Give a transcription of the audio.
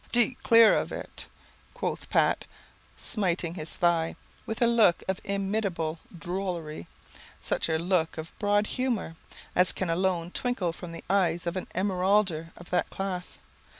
"D clear of it!" quoth Pat, smiting his thigh, with a look of inimitable drollery, such a look of broad humour as can alone twinkle from the eyes of an emeralder of that class.